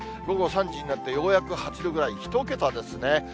午後３時になって、ようやく８度ぐらい、１桁ですね。